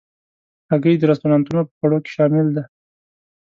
هګۍ د رستورانتو په خوړو کې شامل ده.